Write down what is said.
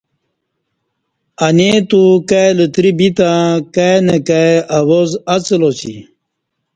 انی اتو کائی لتری بیتہ کائ نئ کائ اواز اڅلاسی